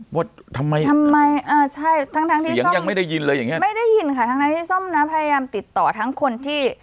พี่หินค่ะทั้งนั้นพี่ส้มนะพยายามติดต่อทั้งคนที่